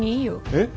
えっ？